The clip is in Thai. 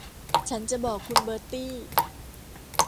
ฉันจะบอกคุณเบอร์ตี้